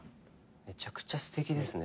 めちゃくちゃすてきですね。